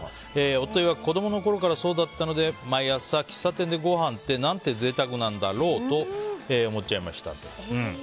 夫いわく子供のころからそうだったので毎朝喫茶店でごはんってなんて贅沢だろうと思っちゃいました。